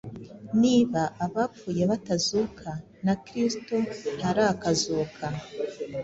niba abapfuye batazuka, na kristo ntarakazuka,